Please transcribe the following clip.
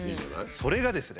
それがですね